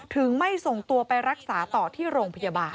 ไม่ส่งตัวไปรักษาต่อที่โรงพยาบาล